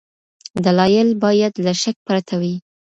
دلایل باید له شک پرته وي.